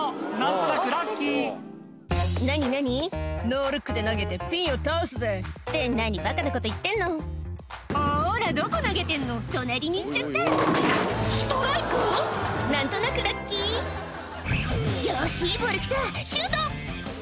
「ノールックで投げてピンを倒すぜ」って何バカなこと言ってんのほらどこ投げてんの隣に行っちゃったストライク⁉何となくラッキー「よしいいボール来たシュート！」